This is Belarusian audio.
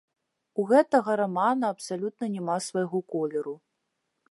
У гэтага рамана абсалютна няма свайго колеру.